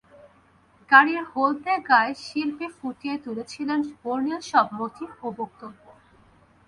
গাড়ির হলদে গায় শিল্পী ফুটিয়ে তুলেছেন বর্ণিল সব মোটিফ ও বক্তব্য।